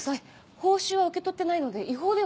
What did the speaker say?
報酬は受け取ってないので違法では。